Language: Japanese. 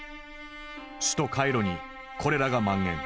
首都カイロにコレラが蔓延。